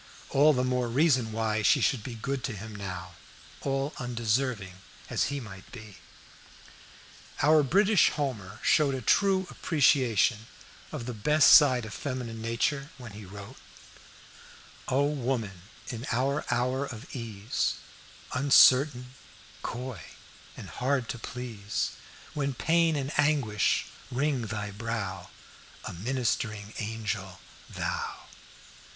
All the more reason why she should be good to him now, all undeserving as he might be. Our British Homer showed a true appreciation of the best side of feminine nature when he wrote "O woman, in our hour of ease, Uncertain, coy, and hard to please; When pain and anguish wring thy brow, A ministering angel thou!"